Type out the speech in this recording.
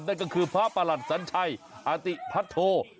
นั่นก็คือพระประหลัดสัญชัยอาติพัทโธ